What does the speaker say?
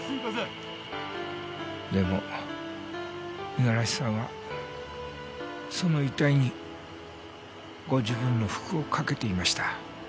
でも五十嵐さんはその遺体にご自分の服をかけていました。